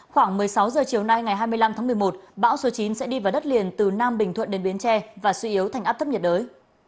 khoảng một mươi sáu h chiều nay ngày hai mươi năm tháng một mươi một bão số chín sẽ đi vào đất liền từ nam bình thuận đến biến tre và suy yếu thành áp thấp nhiệt đới